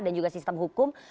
dan juga sistem hukum